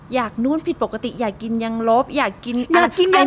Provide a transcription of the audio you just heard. อยากนู้นผิดปกติอยากกินยังลบอยากกินอยากกินยัง